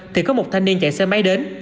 thì có một thanh niên chạy xe máy đến